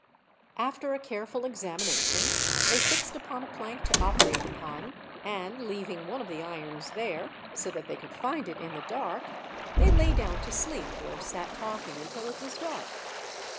After a careful examination, they fixed upon a plank to operate upon, and, leaving one of the irons there, so that they could find it in the dark, they lay down to sleep, or sat talking until it was dark.